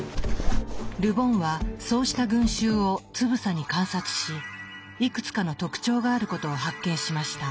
ル・ボンはそうした群衆をつぶさに観察しいくつかの特徴があることを発見しました。